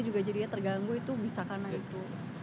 juga jadinya terganggu itu bisa karena itu